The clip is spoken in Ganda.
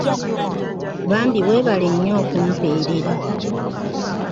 Bambi weebale nnyo okumpeerera.